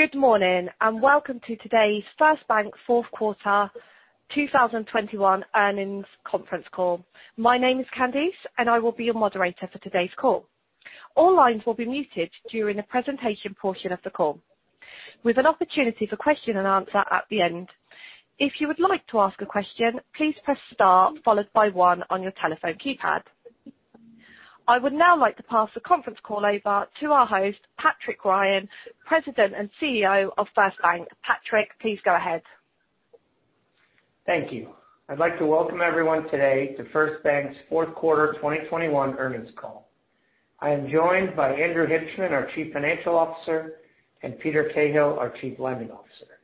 Good morning, and welcome to today's First Bank Fourth Quarter 2021 Earnings Conference Call. My name is Candice, and I will be your moderator for today's call. All lines will be muted during the presentation portion of the call, with an opportunity for question and answer at the end. If you would like to ask a question, please press star followed by one on your telephone keypad. I would now like to pass the conference call over to our host, Patrick Ryan, President and CEO of First Bank. Patrick, please go ahead. Thank you. I'd like to welcome everyone today to First Bank's Fourth Quarter 2021 Earnings Call. I am joined by Andrew Hibshman, our Chief Financial Officer, and Peter Cahill, our Chief Lending Officer.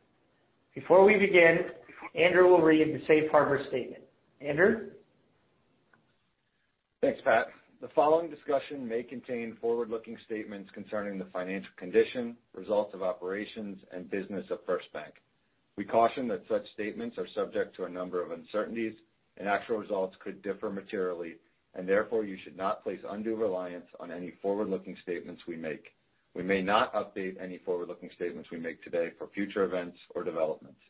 Before we begin, Andrew will read the safe harbor statement. Andrew? Thanks, Pat. The following discussion may contain forward-looking statements concerning the financial condition, results of operations, and business of First Bank. We caution that such statements are subject to a number of uncertainties, and actual results could differ materially, and therefore, you should not place undue reliance on any forward-looking statements we make. We may not update any forward-looking statements we make today for future events or developments.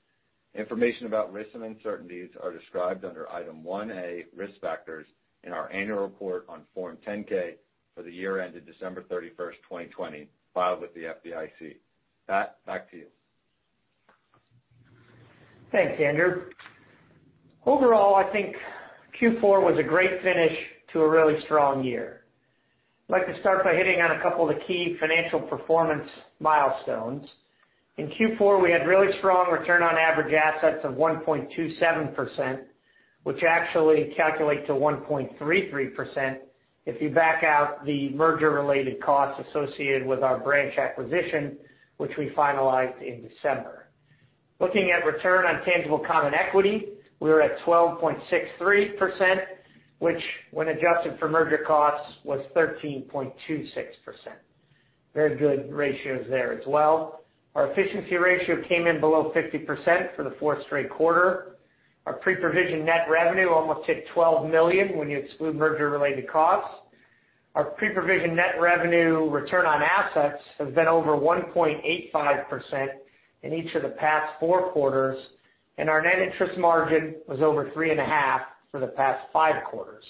Information about risks and uncertainties are described under Item 1A, Risk Factors in our annual report on Form 10-K for the year ended December 31st, 2020, filed with the FDIC. Pat, back to you. Thanks, Andrew. Overall, I think Q4 was a great finish to a really strong year. I'd like to start by hitting on a couple of the key financial performance milestones. In Q4, we had really strong return on average assets of 1.27%, which actually calculates to 1.33% if you back out the merger-related costs associated with our branch acquisition, which we finalized in December. Looking at return on tangible common equity, we were at 12.63%, which when adjusted for merger costs, was 13.26%. Very good ratios there as well. Our efficiency ratio came in below 50% for the fourth straight quarter. Our pre-provision net revenue almost hit $12 million when you exclude merger-related costs. Our pre-provision net revenue return on assets has been over 1.85% in each of the past four quarters, and our net interest margin was over 3.5% for the past five quarters.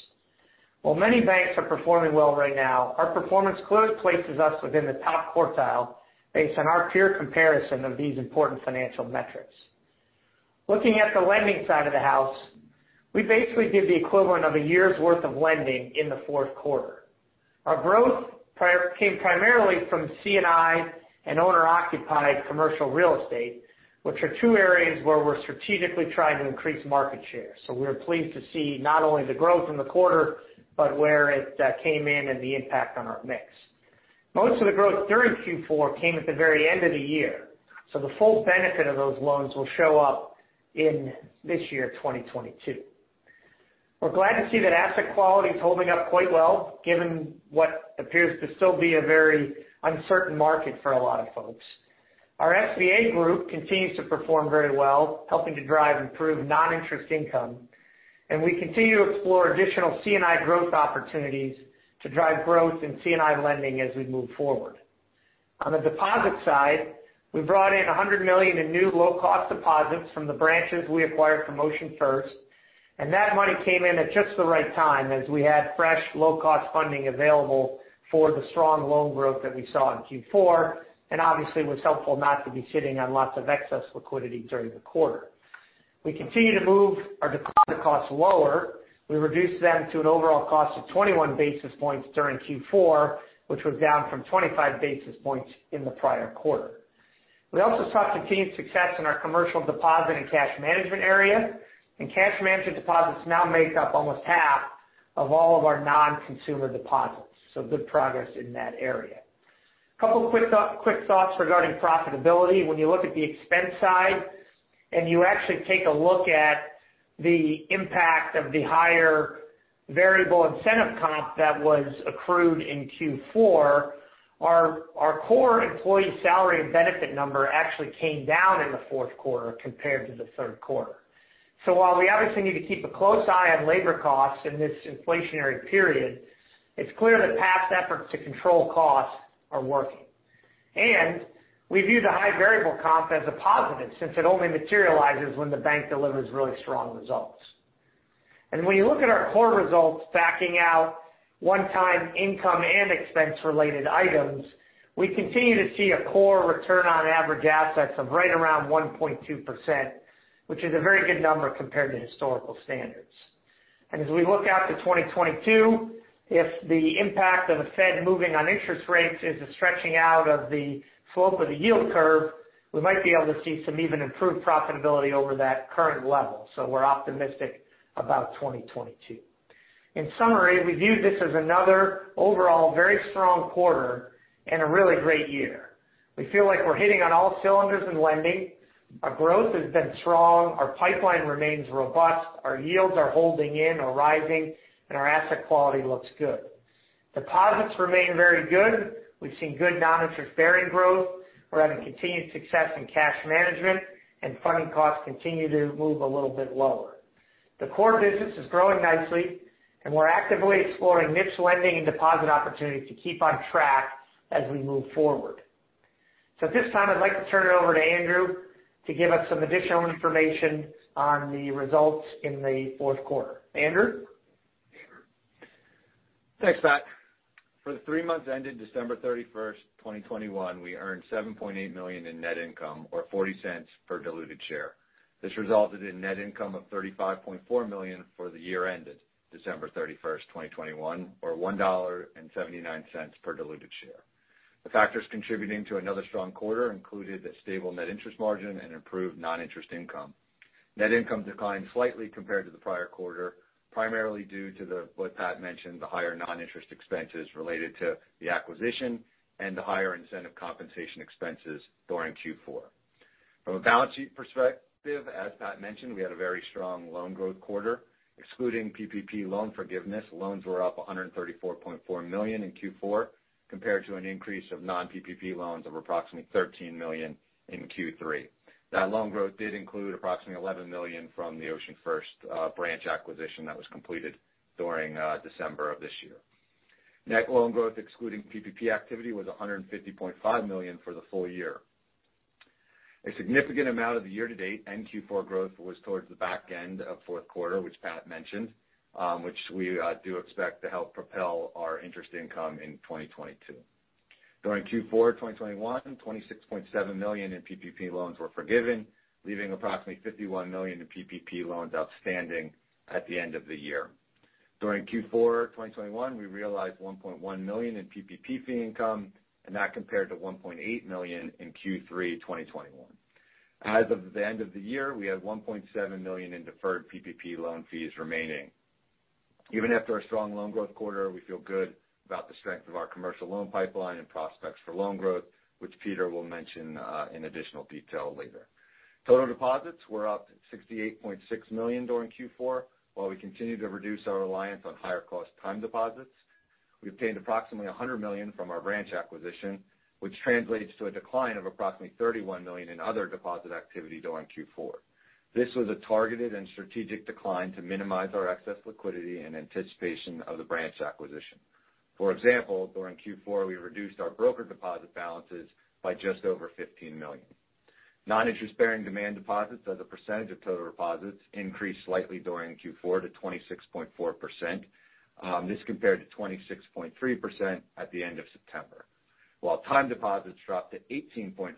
While many banks are performing well right now, our performance clearly places us within the top quartile based on our peer comparison of these important financial metrics. Looking at the lending side of the house, we basically did the equivalent of a year's worth of lending in the fourth quarter. Our growth came primarily from C&I and owner-occupied commercial real estate, which are two areas where we're strategically trying to increase market share. We're pleased to see not only the growth in the quarter, but where it came in and the impact on our mix. Most of the growth during Q4 came at the very end of the year, so the full benefit of those loans will show up in this year, 2022. We're glad to see that asset quality is holding up quite well, given what appears to still be a very uncertain market for a lot of folks. Our SBA group continues to perform very well, helping to drive improved non-interest income, and we continue to explore additional C&I growth opportunities to drive growth in C&I lending as we move forward. On the deposit side, we brought in $100 million in new low-cost deposits from the branches we acquired from OceanFirst, and that money came in at just the right time as we had fresh low-cost funding available for the strong loan growth that we saw in Q4, and obviously, it was helpful not to be sitting on lots of excess liquidity during the quarter. We continue to move our deposit costs lower. We reduced them to an overall cost of 21 basis points during Q4, which was down from 25 basis points in the prior quarter. We also saw continued success in our commercial deposit and cash management area, and cash management deposits now make up almost half of all of our non-consumer deposits. Good progress in that area. Couple quick thoughts regarding profitability. When you look at the expense side and you actually take a look at the impact of the higher variable incentive comp that was accrued in Q4, our core employee salary and benefit number actually came down in the fourth quarter compared to the third quarter. While we obviously need to keep a close eye on labor costs in this inflationary period, it's clear that past efforts to control costs are working. We view the high variable comp as a positive, since it only materializes when the bank delivers really strong results. When you look at our core results backing out one-time income and expense-related items, we continue to see a core return on average assets of right around 1.2%, which is a very good number compared to historical standards. As we look out to 2022, if the impact of the Fed moving on interest rates is a stretching out of the slope of the yield curve, we might be able to see some even improved profitability over that current level. We're optimistic about 2022. In summary, we view this as another overall very strong quarter and a really great year. We feel like we're hitting on all cylinders in lending. Our growth has been strong. Our pipeline remains robust. Our yields are holding in or rising, and our asset quality looks good. Deposits remain very good. We've seen good non-interest bearing growth. We're having continued success in cash management, and funding costs continue to move a little bit lower. The core business is growing nicely, and we're actively exploring niche lending and deposit opportunities to keep on track as we move forward. At this time, I'd like to turn it over to Andrew to give us some additional information on the results in the fourth quarter. Andrew? Thanks, Pat. For the three months ended December 31st, 2021, we earned $7.8 million in net income or $0.40 per diluted share. This resulted in net income of $35.4 million for the year ended December 31st, 2021, or $1.79 per diluted share. The factors contributing to another strong quarter included a stable net interest margin and improved non-interest income. Net income declined slightly compared to the prior quarter, primarily due to what Pat mentioned, the higher non-interest expenses related to the acquisition and the higher incentive compensation expenses during Q4. From a balance sheet perspective, as Pat mentioned, we had a very strong loan growth quarter. Excluding PPP loan forgiveness, loans were up $134.4 million in Q4 compared to an increase of non-PPP loans of approximately $13 million in Q3. That loan growth did include approximately $11 million from the OceanFirst branch acquisition that was completed during December of this year. Net loan growth, excluding PPP activity, was $150.5 million for the full year. A significant amount of the year-to-date and Q4 growth was towards the back end of fourth quarter, which Pat mentioned, which we do expect to help propel our interest income in 2022. During Q4 2021, $26.7 million in PPP loans were forgiven, leaving approximately $51 million in PPP loans outstanding at the end of the year. During Q4 2021, we realized $1.1 million in PPP fee income, and that compared to $1.8 million in Q3 2021. As of the end of the year, we had $1.7 million in deferred PPP loan fees remaining. Even after a strong loan growth quarter, we feel good about the strength of our commercial loan pipeline and prospects for loan growth, which Peter will mention in additional detail later. Total deposits were up $68.6 million during Q4, while we continued to reduce our reliance on higher-cost time deposits. We obtained approximately $100 million from our branch acquisition, which translates to a decline of approximately $31 million in other deposit activity during Q4. This was a targeted and strategic decline to minimize our excess liquidity in anticipation of the branch acquisition. For example, during Q4, we reduced our broker deposit balances by just over $15 million. Non-interest-bearing demand deposits as a percentage of total deposits increased slightly during Q4 to 26.4%. This compared to 26.3% at the end of September. While time deposits dropped to 18.5%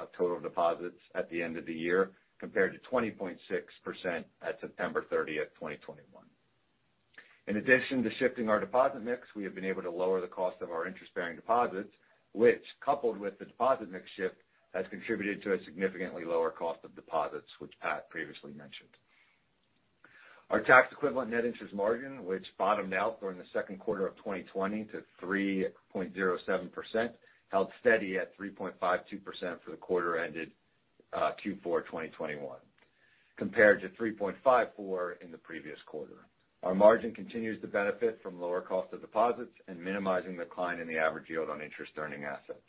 of total deposits at the end of the year, compared to 20.6% at September 30th, 2021. In addition to shifting our deposit mix, we have been able to lower the cost of our interest-bearing deposits, which, coupled with the deposit mix shift, has contributed to a significantly lower cost of deposits, which Pat previously mentioned. Our tax equivalent net interest margin, which bottomed out during the second quarter of 2020 to 3.07%, held steady at 3.52% for the quarter ended Q4 2021, compared to 3.54% in the previous quarter. Our margin continues to benefit from lower cost of deposits and minimizing decline in the average yield on interest-earning assets.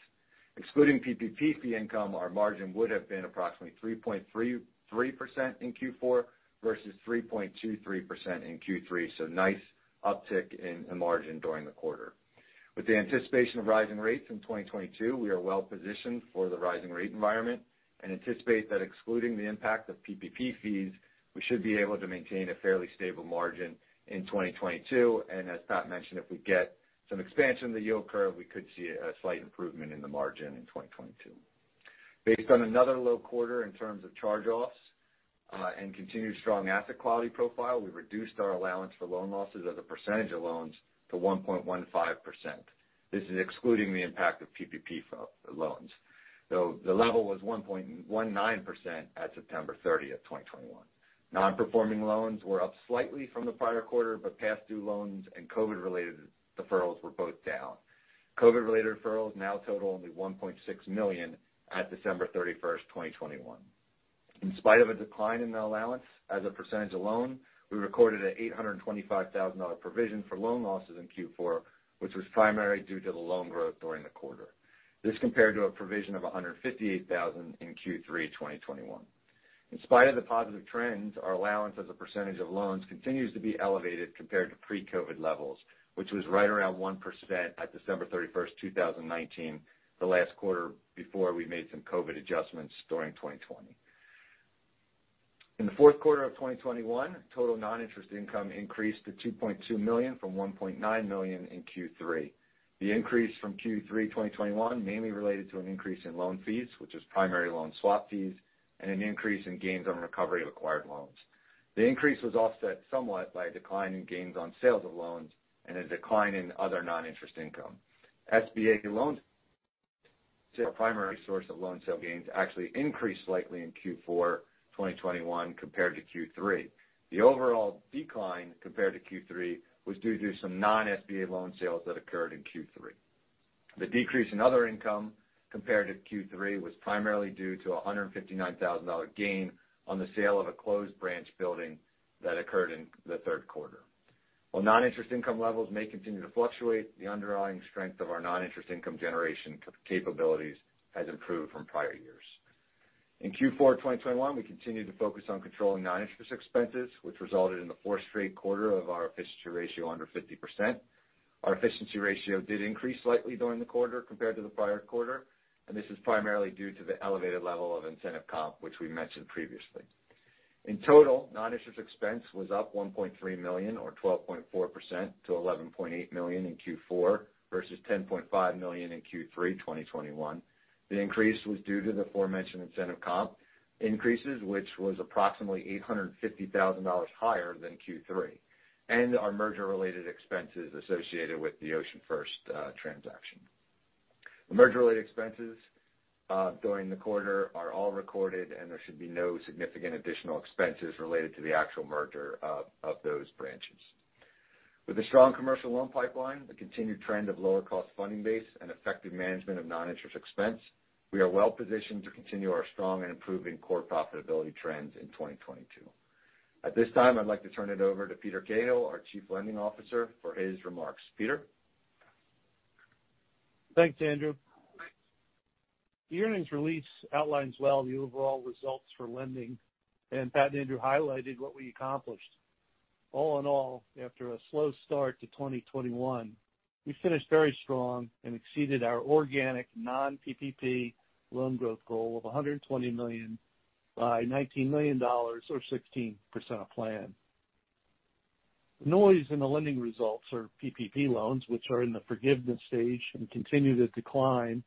Excluding PPP fee income, our margin would have been approximately 3.33% in Q4 versus 3.23% in Q3, so nice uptick in margin during the quarter. With the anticipation of rising rates in 2022, we are well positioned for the rising rate environment and anticipate that excluding the impact of PPP fees, we should be able to maintain a fairly stable margin in 2022. As Pat mentioned, if we get some expansion in the yield curve, we could see a slight improvement in the margin in 2022. Based on another low quarter in terms of charge-offs and continued strong asset quality profile, we reduced our allowance for loan losses as a percentage of loans to 1.15%. This is excluding the impact of PPP loans. The level was 1.19% at September 30th, 2021. Non-performing loans were up slightly from the prior quarter, but past due loans and COVID-related deferrals were both down. COVID-related deferrals now total only $1.6 million at December 31st, 2021. In spite of a decline in the allowance as a percentage of loans, we recorded an $825,000 provision for loan losses in Q4, which was primarily due to the loan growth during the quarter. This compared to a provision of $158,000 in Q3 2021. In spite of the positive trends, our allowance as a percentage of loans continues to be elevated compared to pre-COVID levels, which was right around 1% at December 31st, 2019, the last quarter before we made some COVID adjustments during 2020. In the fourth quarter of 2021, total non-interest income increased to $2.2 million from $1.9 million in Q3. The increase from Q3 2021 mainly related to an increase in loan fees, which is primarily loan swap fees, and an increase in gains on recovery of acquired loans. The increase was offset somewhat by a decline in gains on sales of loans and a decline in other non-interest income. SBA loans, the primary source of loan sale gains, actually increased slightly in Q4 2021 compared to Q3. The overall decline compared to Q3 was due to some non-SBA loan sales that occurred in Q3. The decrease in other income compared to Q3 was primarily due to a $159,000 gain on the sale of a closed branch building that occurred in the third quarter. While non-interest income levels may continue to fluctuate, the underlying strength of our non-interest income generation capabilities has improved from prior years. In Q4 2021, we continued to focus on controlling non-interest expenses, which resulted in the fourth straight quarter of our efficiency ratio under 50%. Our efficiency ratio did increase slightly during the quarter compared to the prior quarter, and this is primarily due to the elevated level of incentive comp, which we mentioned previously. In total, non-interest expense was up $1.3 million or 12.4% to $11.8 million in Q4 versus $10.5 million in Q3 2021. The increase was due to the aforementioned incentive comp increases, which was approximately $850,000 higher than Q3, and our merger-related expenses associated with the OceanFirst transaction. The merger-related expenses during the quarter are all recorded, and there should be no significant additional expenses related to the actual merger of those branches. With a strong commercial loan pipeline, the continued trend of lower cost funding base and effective management of non-interest expense, we are well-positioned to continue our strong and improving core profitability trends in 2022. At this time, I'd like to turn it over to Peter Cahill, our Chief Lending Officer, for his remarks. Peter? Thanks, Andrew. The earnings release outlines well the overall results for lending, and Pat and Andrew highlighted what we accomplished. All in all, after a slow start to 2021, we finished very strong and exceeded our organic non-PPP loan growth goal of $120 million by $19 million or 16% of plan. The noise in the lending results are PPP loans, which are in the forgiveness stage and continue to decline,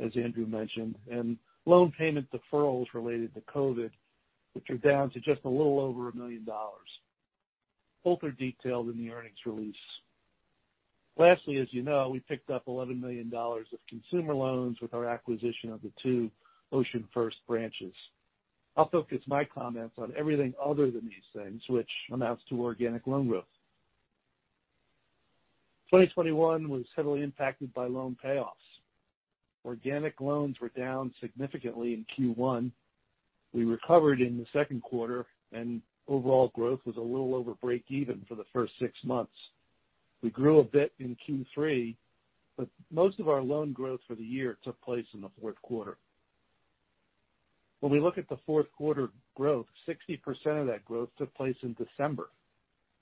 as Andrew mentioned, and loan payment deferrals related to COVID, which are down to just a little over $1 million. Both are detailed in the earnings release. Lastly, as you know, we picked up $11 million of consumer loans with our acquisition of the two OceanFirst branches. I'll focus my comments on everything other than these things which amounts to organic loan growth. 2021 was heavily impacted by loan payoffs. Organic loans were down significantly in Q1. We recovered in the second quarter and overall growth was a little over breakeven for the first six months. We grew a bit in Q3, but most of our loan growth for the year took place in the fourth quarter. When we look at the fourth quarter growth, 60% of that growth took place in December.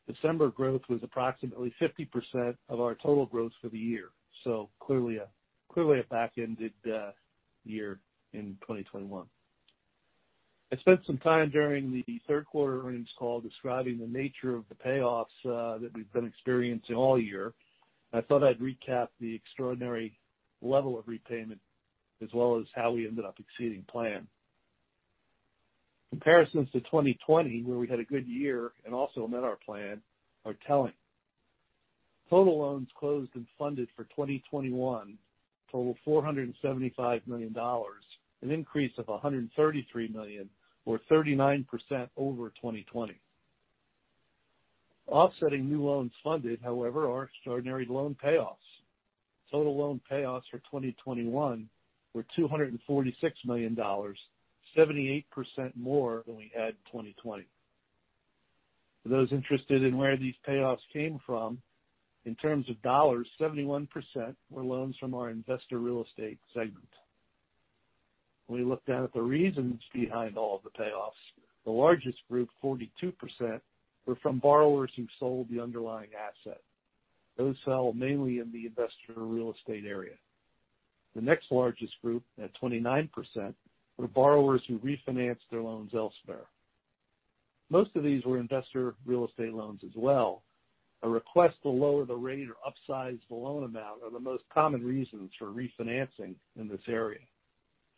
December growth was approximately 50% of our total growth for the year, so clearly a back-ended year in 2021. I spent some time during the third quarter earnings call describing the nature of the payoffs that we've been experiencing all year. I thought I'd recap the extraordinary level of repayment as well as how we ended up exceeding plan. Comparisons to 2020, where we had a good year and also met our plan, are telling. Total loans closed and funded for 2021 totaled $475 million, an increase of $133 million or 39% over 2020. Offsetting new loans funded, however, are extraordinary loan payoffs. Total loan payoffs for 2021 were $246 million, 78% more than we had in 2020. For those interested in where these payoffs came from, in terms of dollars, 71% were loans from our investor real estate segment. When we look down at the reasons behind all the payoffs, the largest group, 42%, were from borrowers who sold the underlying asset. Those sell mainly in the investor real estate area. The next largest group, at 29%, were borrowers who refinanced their loans elsewhere. Most of these were investor real estate loans as well. A request to lower the rate or upsize the loan amount are the most common reasons for refinancing in this area.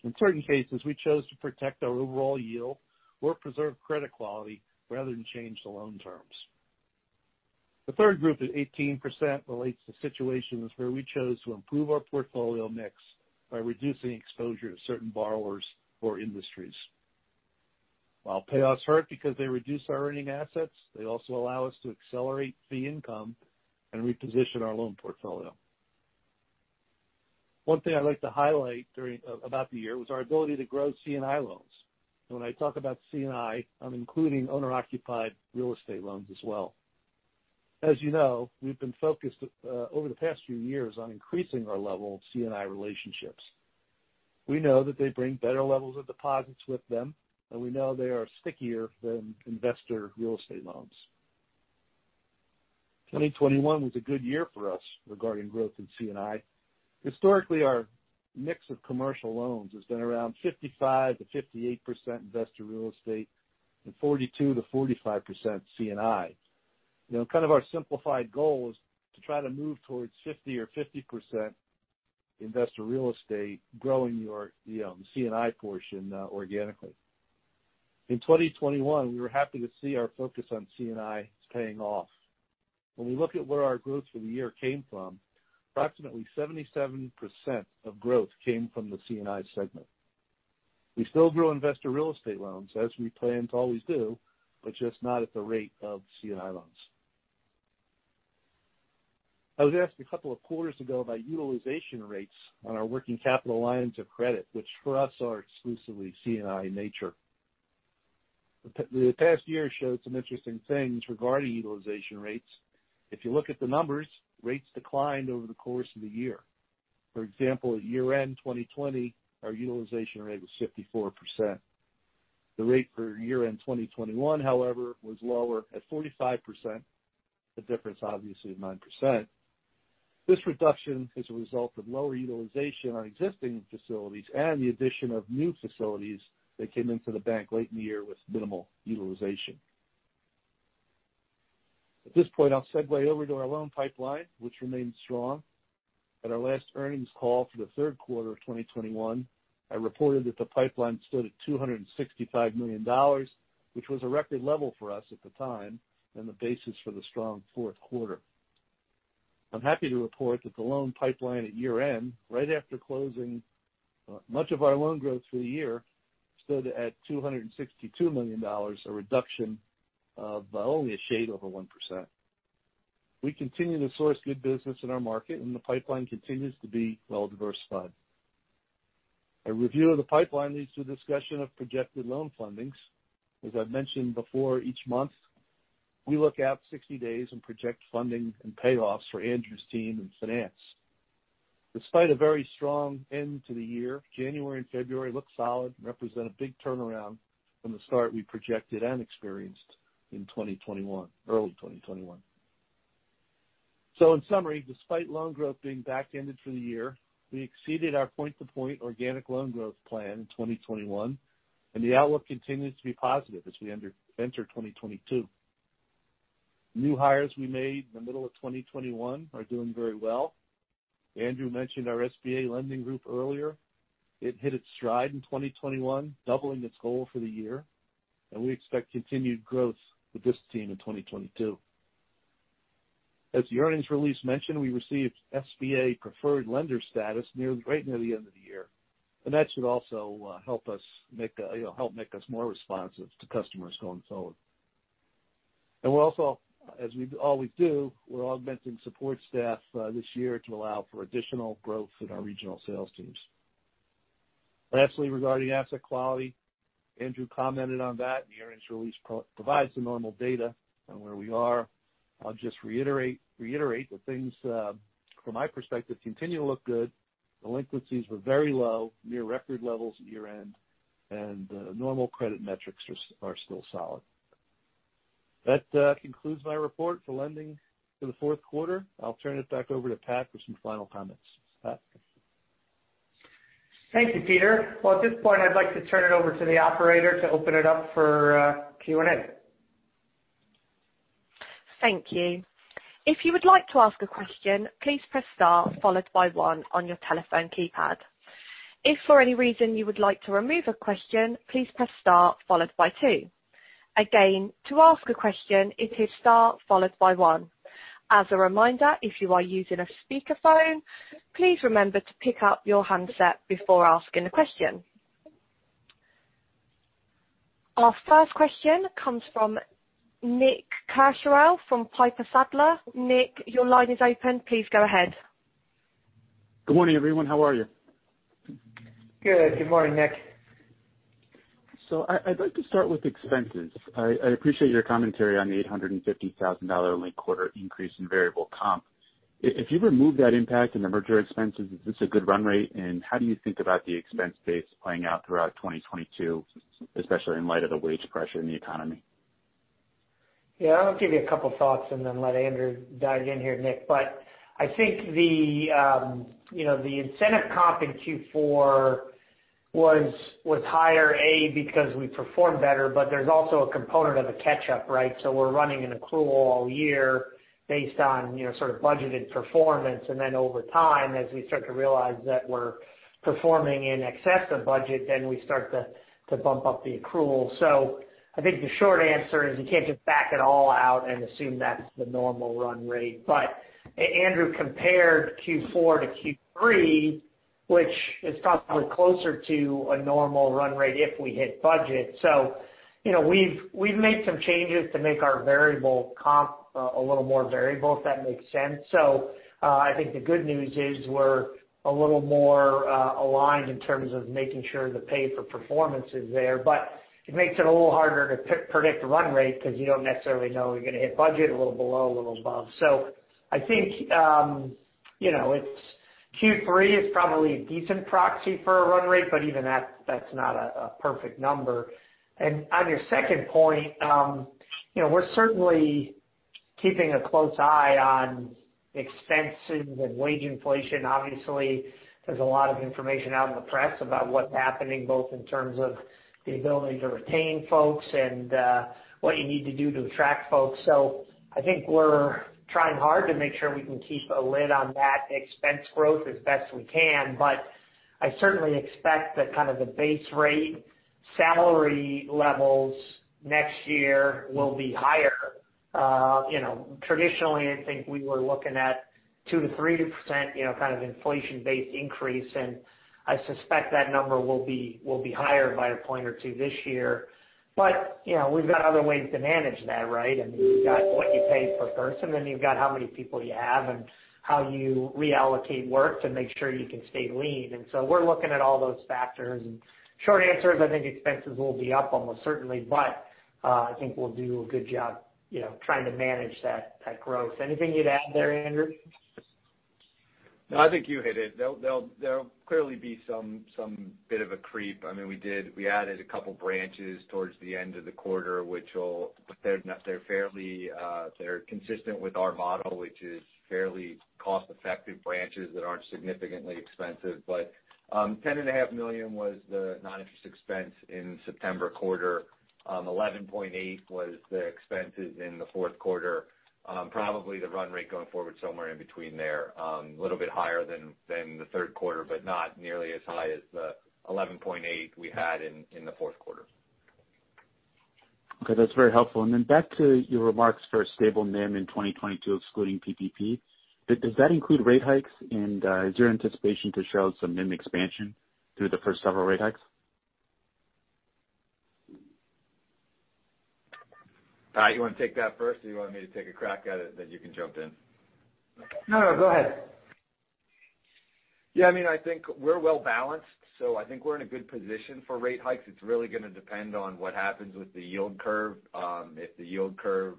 In certain cases, we chose to protect our overall yield or preserve credit quality rather than change the loan terms. The third group, at 18%, relates to situations where we chose to improve our portfolio mix by reducing exposure to certain borrowers or industries. While payoffs hurt because they reduce our earning assets, they also allow us to accelerate fee income and reposition our loan portfolio. One thing I'd like to highlight about the year was our ability to grow C&I loans. When I talk about C&I I'm including owner-occupied real estate loans as well. As you know, we've been focused over the past few years on increasing our level of C&I relationships. We know that they bring better levels of deposits with them, and we know they are stickier than investor real estate loans. 2021 was a good year for us regarding growth in C&I. Historically, our mix of commercial loans has been around 55%-58% investor real estate and 42%-45% C&I. You know, kind of our simplified goal is to try to move towards 50-50% investor real estate, growing your, you know, C&I portion organically. In 2021, we were happy to see our focus on C&I is paying off. When we look at where our growth for the year came from, approximately 77% of growth came from the C&I segment. We still grow investor real estate loans as we plan to always do, but just not at the rate of C&I loans. I was asked a couple of quarters ago about utilization rates on our working capital lines of credit, which for us are exclusively C&I in nature. The past year showed some interesting things regarding utilization rates. If you look at the numbers, rates declined over the course of the year. For example, at year-end 2020, our utilization rate was 54%. The rate for year-end 2021, however, was lower at 45%. The difference obviously is 9%. This reduction is a result of lower utilization on existing facilities and the addition of new facilities that came into the bank late in the year with minimal utilization. At this point, I'll segue over to our loan pipeline, which remains strong. At our last earnings call for the third quarter of 2021, I reported that the pipeline stood at $265 million, which was a record level for us at the time and the basis for the strong fourth quarter. I'm happy to report that the loan pipeline at year-end, right after closing much of our loan growth for the year, stood at $262 million, a reduction by only a shade over 1%. We continue to source good business in our market and the pipeline continues to be well diversified. A review of the pipeline leads to a discussion of projected loan fundings. As I've mentioned before, each month we look out 60 days and project funding and payoffs for Andrew's team in finance. Despite a very strong end to the year, January and February look solid, represent a big turnaround from the start we projected and experienced in 2021, early 2021. In summary, despite loan growth being backended for the year, we exceeded our point-to-point organic loan growth plan in 2021, and the outlook continues to be positive as we enter 2022. New hires we made in the middle of 2021 are doing very well. Andrew mentioned our SBA lending group earlier. It hit its stride in 2021, doubling its goal for the year, and we expect continued growth with this team in 2022. As the earnings release mentioned, we received SBA Preferred Lender status right near the end of the year, and that should also, you know, help make us more responsive to customers going forward. We're also, as we always do, we're augmenting support staff this year to allow for additional growth in our regional sales teams. Lastly, regarding asset quality, Andrew commented on that, and the earnings release provides the normal data on where we are. I'll just reiterate that things from my perspective continue to look good. Delinquencies were very low, near record levels at year-end, and normal credit metrics are still solid. That concludes my report for lending for the fourth quarter. I'll turn it back over to Pat for some final comments. Pat? Thank you, Peter. Well, at this point, I'd like to turn it over to the operator to open it up for Q&A. Our first question comes from Nick Cucharale from Piper Sandler. Nick, your line is open. Please go ahead. Good morning, everyone. How are you? Good. Good morning, Nick. I'd like to start with expenses. I appreciate your commentary on the $850,000 one quarter increase in variable comp. If you remove that impact and the merger expenses, is this a good run rate? How do you think about the expense base playing out throughout 2022, especially in light of the wage pressure in the economy? Yeah, I'll give you a couple thoughts and then let Andrew dive in here, Nick. I think you know, the incentive comp in Q4 was higher because we performed better, but there's also a component of a catch-up, right? We're running an accrual all year based on you know, sort of budgeted performance. Over time, as we start to realize that we're performing in excess of budget, we start to bump up the accrual. I think the short answer is you can't just back it all out and assume that's the normal run rate. Andrew compared Q4 to Q3, which is probably closer to a normal run rate if we hit budget. You know, we've made some changes to make our variable comp a little more variable, if that makes sense. I think the good news is we're a little more aligned in terms of making sure the pay for performance is there, but it makes it a little harder to predict the run rate because you don't necessarily know you're gonna hit budget a little below, a little above. I think, you know, it's Q3 is probably a decent proxy for a run rate, but even that's not a perfect number. On your second point, you know, we're certainly keeping a close eye on expenses and wage inflation. Obviously, there's a lot of information out in the press about what's happening, both in terms of the ability to retain folks and what you need to do to attract folks. I think we're trying hard to make sure we can keep a lid on that expense growth as best we can. I certainly expect that kind of the base rate salary levels next year will be higher. You know, traditionally, I think we were looking at 2%-3%, you know, kind of inflation-based increase, and I suspect that number will be higher by a point or two this year. You know, we've got other ways to manage that, right? I mean, you've got what you pay per person, then you've got how many people you have and how you reallocate work to make sure you can stay lean. We're looking at all those factors. Short answer is, I think expenses will be up almost certainly. I think we'll do a good job, you know, trying to manage that growth. Anything you'd add there, Andrew? No, I think you hit it. There'll clearly be some bit of a creep. I mean, we added a couple branches towards the end of the quarter. They're fairly consistent with our model, which is fairly cost-effective branches that aren't significantly expensive. $10.5 million was the non-interest expense in September quarter. $11.8 was the expenses in the fourth quarter. Probably the run rate going forward somewhere in between there, a little bit higher than the third quarter, but not nearly as high as the $11.8 we had in the fourth quarter. Okay. That's very helpful. Then back to your remarks for a stable NIM in 2022, excluding PPP. Does that include rate hikes? Is your anticipation to show some NIM expansion through the first several rate hikes? Patrick, you wanna take that first or you want me to take a crack at it, then you can jump in? No, go ahead. Yeah, I mean, I think we're well-balanced, so I think we're in a good position for rate hikes. It's really gonna depend on what happens with the yield curve. If the yield curve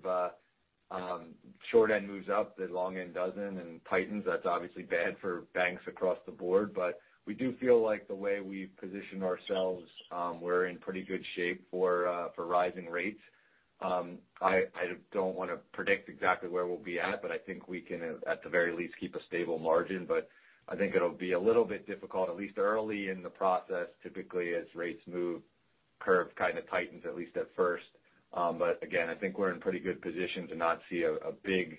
short end moves up, the long end doesn't and tightens, that's obviously bad for banks across the board. But we do feel like the way we've positioned ourselves, we're in pretty good shape for rising rates. I don't wanna predict exactly where we'll be at, but I think we can, at the very least, keep a stable margin. But I think it'll be a little bit difficult, at least early in the process. Typically, as rates move, curve kind of tightens, at least at first. But again, I think we're in pretty good position to not see a big.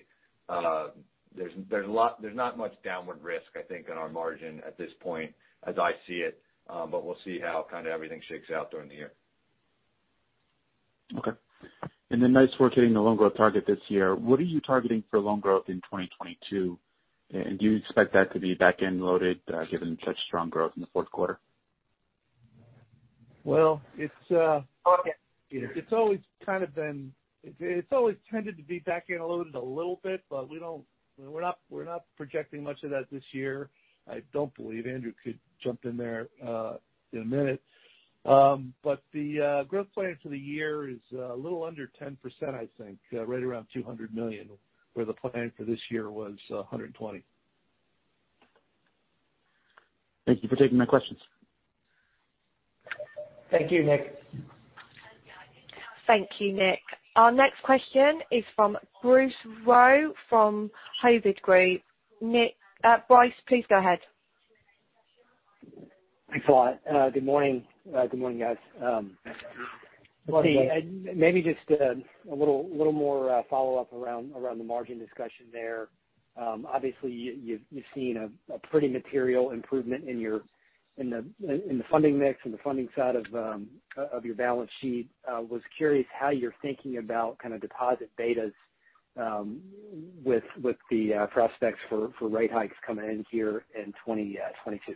There's not much downward risk, I think, in our margin at this point as I see it, but we'll see how kind of everything shakes out during the year. Okay. Nice work hitting the loan growth target this year. What are you targeting for loan growth in 2022? Do you expect that to be back-end loaded, given such strong growth in the fourth quarter? Well, it's always tended to be back-end loaded a little bit, but we're not projecting much of that this year, I don't believe. Andrew could jump in there in a minute. The growth plan for the year is a little under 10% I think, right around $200 million, where the plan for this year was $120 million. Thank you for taking my questions. Thank you, Nick. Thank you, Nick. Our next question is from Bryce Rowe from Hovde Group. Nick, Bryce, please go ahead. Thanks a lot. Good morning. Good morning, guys. Maybe just a little more follow-up around the margin discussion there. Obviously, you've seen a pretty material improvement in the funding mix and the funding side of your balance sheet. I was curious how you're thinking about kind of deposit betas with the prospects for rate hikes coming in here in 2022.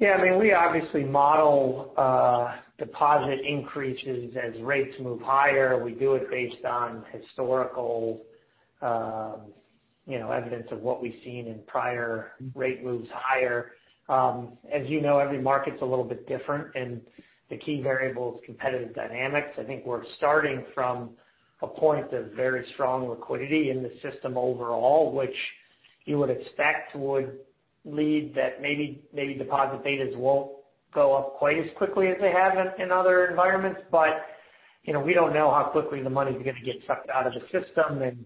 Yeah, I mean, we obviously model deposit increases as rates move higher. We do it based on historical, you know, evidence of what we've seen in prior rate moves higher. As you know, every market's a little bit different, and the key variable is competitive dynamics. I think we're starting from a point of very strong liquidity in the system overall, which you would expect would lead that maybe deposit betas won't go up quite as quickly as they have in other environments. You know, we don't know how quickly the money's gonna get sucked out of the system.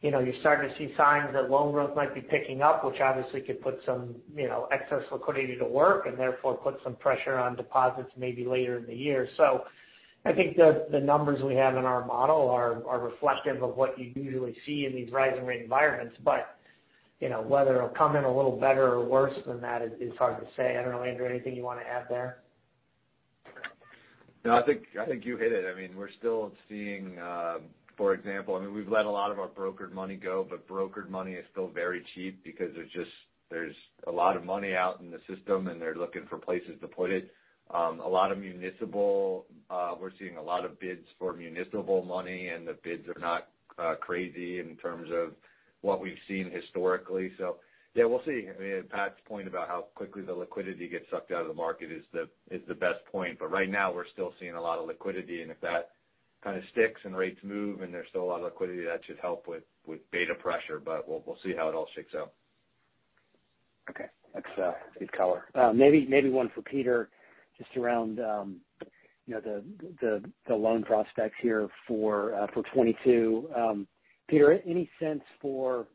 You know, you're starting to see signs that loan growth might be picking up, which obviously could put some, you know, excess liquidity to work, and therefore put some pressure on deposits maybe later in the year. I think the numbers we have in our model are reflective of what you usually see in these rising rate environments. You know, whether it'll come in a little better or worse than that is hard to say. I don't know, Andrew, anything you wanna add there? No, I think you hit it. I mean, we're still seeing, for example, I mean, we've let a lot of our brokered money go, but brokered money is still very cheap because there's a lot of money out in the system, and they're looking for places to put it. A lot of municipal, we're seeing a lot of bids for municipal money, and the bids are not crazy in terms of what we've seen historically. Yeah, we'll see. I mean, Pat's point about how quickly the liquidity gets sucked out of the market is the best point. Right now, we're still seeing a lot of liquidity. If that kind of sticks and rates move and there's still a lot of liquidity, that should help with beta pressure. We'll see how it all shakes out. Okay. That's good color. Maybe one for Peter, just around you know the loan prospects here for 2022. Peter, any sense for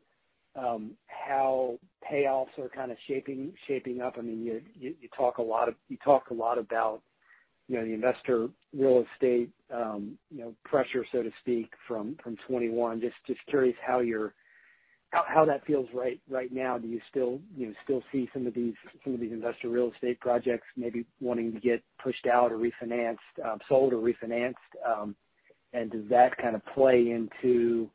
how payoffs are kind of shaping up? I mean, you talk a lot about you know the investor real estate you know pressure, so to speak, from 2021. Just curious how that feels right now? Do you still you know see some of these industrial real estate projects maybe wanting to get pushed out or refinanced, sold or refinanced? And does that kind of play into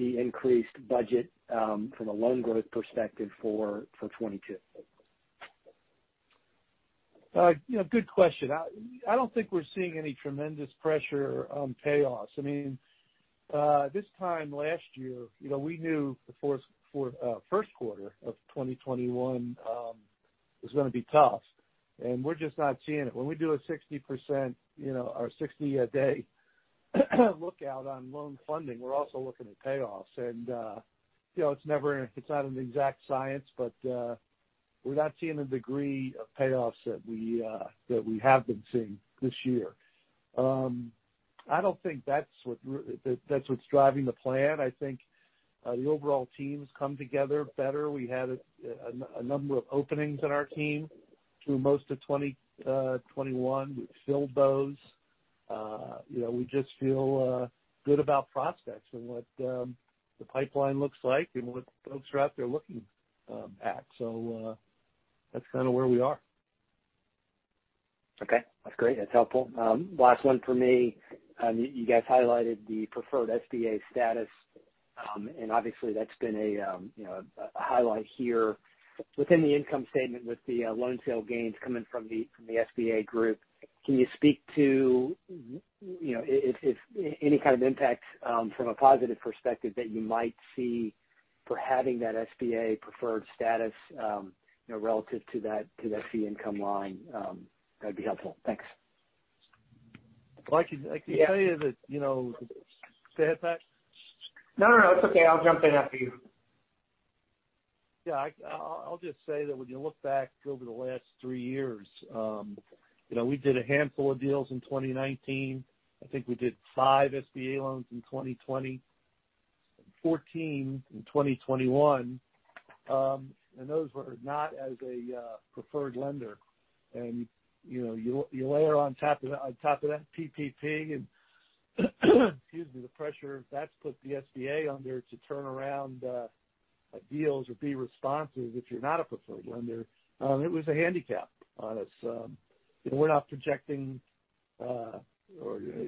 the increased budget from a loan growth perspective for 2022? You know, good question. I don't think we're seeing any tremendous pressure on payoffs. I mean, this time last year, you know, we knew the fourth quarter for the first quarter of 2021 was gonna be tough. We're just not seeing it. When we do a 60% or 60-day lookout on loan funding, we're also looking at payoffs. You know, it's not an exact science, but we're not seeing the degree of payoffs that we have been seeing this year. I don't think that's what's driving the plan. I think the overall team's come together better. We had a number of openings in our team through most of 2021. We've filled those. You know, we just feel good about prospects and what the pipeline looks like and what folks are out there looking at. That's kind of where we are. Okay, that's great. That's helpful. Last one for me. You guys highlighted the preferred SBA status, and obviously, that's been a, you know, a highlight here. Within the income statement with the loan sale gains coming from the SBA group, can you speak to, you know, if any kind of impact from a positive perspective that you might see for having that SBA preferred status, you know, relative to that fee income line? That'd be helpful. Thanks. Well, I can tell you that, you know. Go ahead, Pat. No, no, it's okay. I'll jump in after you. Yeah, I'll just say that when you look back over the last three years, you know, we did a handful of deals in 2019. I think we did five SBA loans in 2020, 14 in 2021. Those were not as a preferred lender. You know, you layer on top of that PPP and, excuse me, the pressure that's put the SBA under to turn around deals or be responsive if you're not a preferred lender. It was a handicap on us. You know, we're not projecting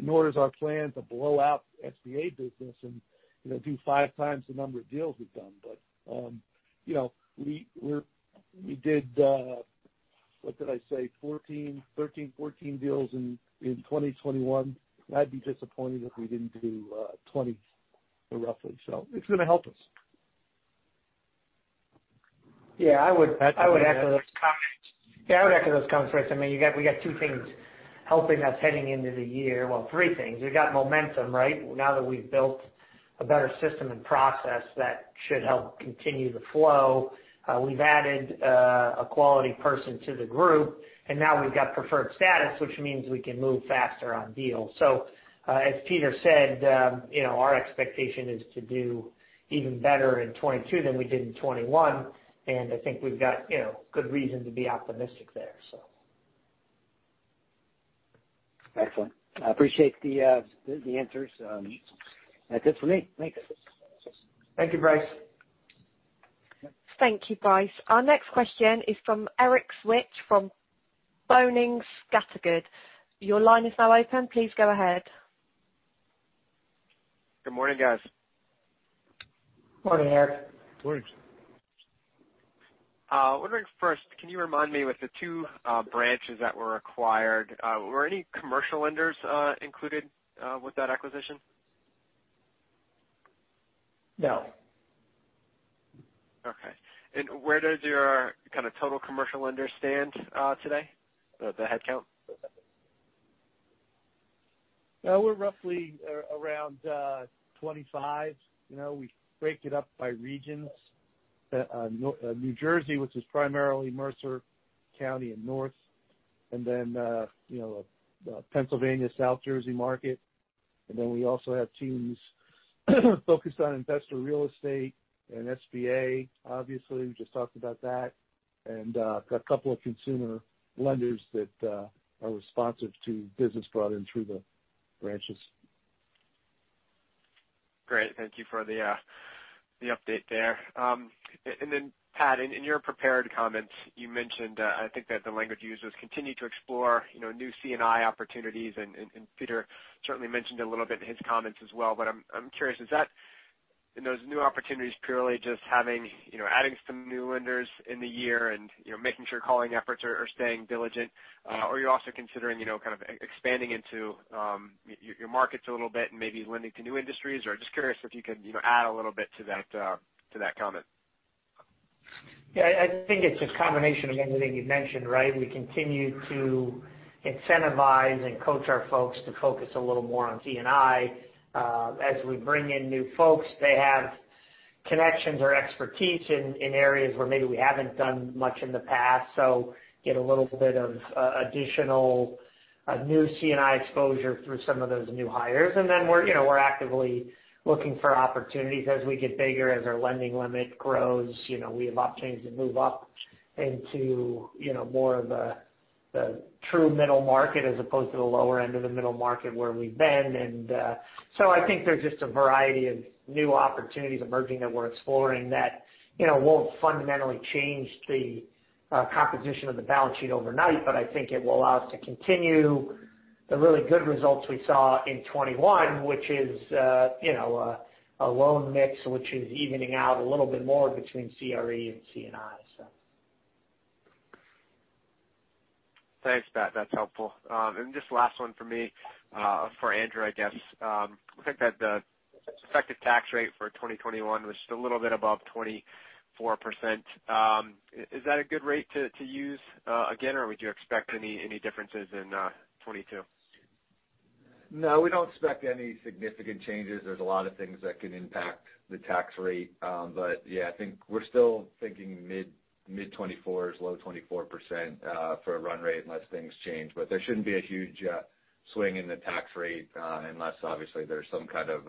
nor is our plan to blow out SBA business and, you know, do 5x the number of deals we've done. You know, we did what did I say? 14 deals in 2021. I'd be disappointed if we didn't do 20 roughly. It's gonna help us. Yeah, I would echo those comments, Bryce. I mean, we got two things helping us heading into the year. Well, three things. We've got momentum, right? Now that we've built a better system and process that should help continue the flow. We've added a quality person to the group, and now we've got preferred status, which means we can move faster on deals. So, as Peter said, you know, our expectation is to do even better in 2022 than we did in 2021, and I think we've got, you know, good reason to be optimistic there, so. Excellent. I appreciate the answers. That's it for me. Thanks. Thank you, Bryce. Thank you, Bryce. Our next question is from Erik Zwick from Boenning & Scattergood. Your line is now open. Please go ahead. Good morning, guys. Morning, Erik. Morning. Wondering first, can you remind me with the two branches that were acquired, were any commercial lenders included with that acquisition? No. Okay. Where does your kind of total commercial lenders stand, today, the headcount? We're roughly around 25. You know, we break it up by regions. New Jersey, which is primarily Mercer County and north. Then, you know, Pennsylvania, South Jersey market. Then we also have teams focused on investor real estate and SBA, obviously, we just talked about that. Got a couple of consumer lenders that are responsive to business brought in through the branches. Great. Thank you for the update there. Then, Pat, in your prepared comments, you mentioned, I think that the language used was continue to explore, you know, new C&I opportunities and Peter certainly mentioned a little bit in his comments as well, but I'm curious, is that in those new opportunities purely just having, you know, adding some new lenders in the year and, you know, making sure calling efforts are staying diligent? Or you're also considering, you know, kind of expanding into your markets a little bit and maybe lending to new industries? Or just curious if you could, you know, add a little bit to that comment. Yeah, I think it's a combination of everything you've mentioned, right? We continue to incentivize and coach our folks to focus a little more on C&I. As we bring in new folks, they have connections or expertise in areas where maybe we haven't done much in the past. Get a little bit of additional new C&I exposure through some of those new hires. We're, you know, we're actively looking for opportunities as we get bigger, as our lending limit grows. You know, we have opportunities to move up into, you know, more of a true middle market as opposed to the lower end of the middle market where we've been. I think there's just a variety of new opportunities emerging that we're exploring that, you know, won't fundamentally change the composition of the balance sheet overnight. I think it will allow us to continue the really good results we saw in 2021, which is, you know, a loan mix which is evening out a little bit more between CRE and C&I, so. Thanks, Pat. That's helpful. Just last one for me, for Andrew, I guess. I think that the effective tax rate for 2021 was just a little bit above 24%. Is that a good rate to use again or would you expect any differences in 2022? No, we don't expect any significant changes. There's a lot of things that can impact the tax rate. I think we're still thinking mid-20s, low 24%, for a run rate unless things change. There shouldn't be a huge swing in the tax rate unless obviously there's some kind of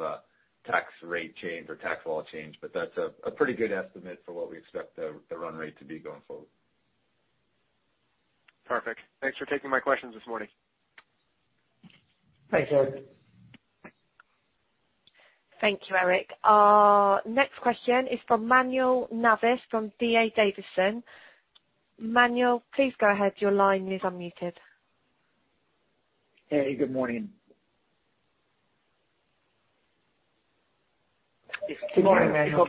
tax rate change or tax law change. That's a pretty good estimate for what we expect the run rate to be going forward. Perfect. Thanks for taking my questions this morning. Thanks, Erik. Thank you, Erik. Our next question is from Manuel Navas from D.A. Davidson. Manuel, please go ahead. Your line is unmuted. Hey, good morning. Good morning, Manuel.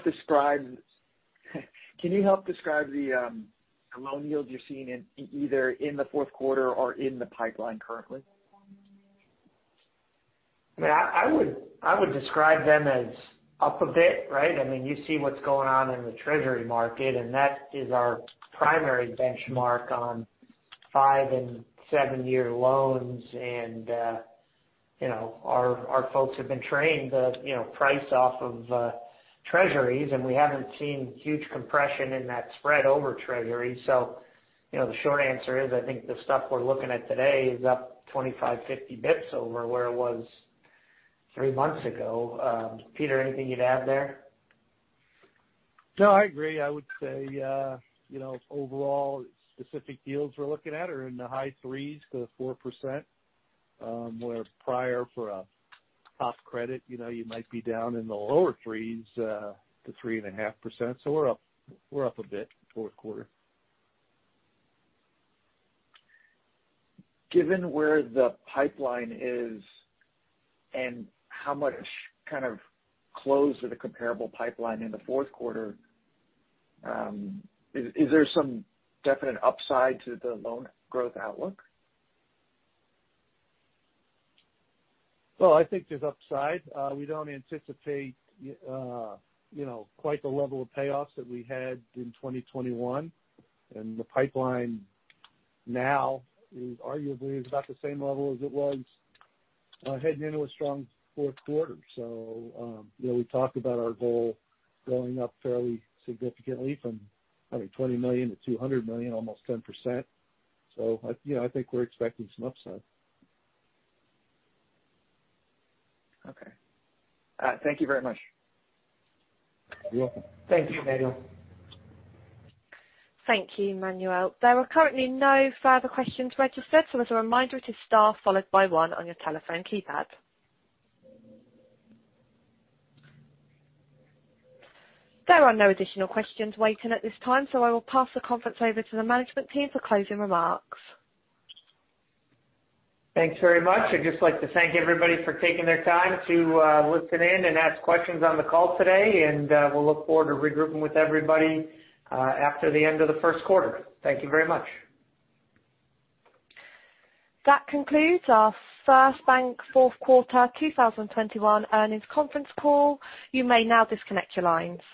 Can you help describe the loan yields you're seeing, either in the fourth quarter or in the pipeline currently? I mean, I would describe them as up a bit, right? I mean, you see what's going on in the Treasury market, and that is our primary benchmark on five and seven-year loans. You know, our folks have been trained to, you know, price off of Treasuries, and we haven't seen huge compression in that spread over Treasury. You know, the short answer is, I think the stuff we're looking at today is up 25 basis points, 50 basis points over where it was three months ago. Peter, anything you'd add there? No, I agree. I would say, you know, overall specific yields we're looking at are in the high 3s-4%, where prior for a top credit, you know, you might be down in the lower 3s-3.5%. We're up a bit fourth quarter. Given where the pipeline is and how much kind of close to the comparable pipeline in the fourth quarter, is there some definite upside to the loan growth outlook? Well, I think there's upside. We don't anticipate you know, quite the level of payoffs that we had in 2021. The pipeline now is arguably about the same level as it was heading into a strong fourth quarter. We talked about our goal going up fairly significantly from, I think, $20 million to $200 million, almost 10%. I think we're expecting some upside. Okay. Thank you very much. You're welcome. Thank you, Manuel. Thank you, Manuel. There are currently no further questions registered, so as a reminder, it is star followed by one on your telephone keypad. There are no additional questions waiting at this time, so I will pass the conference over to the management team for closing remarks. Thanks very much. I'd just like to thank everybody for taking their time to listen in and ask questions on the call today. We'll look forward to regrouping with everybody after the end of the first quarter. Thank you very much. That concludes our First Bank fourth quarter 2021 earnings conference call. You may now disconnect your lines.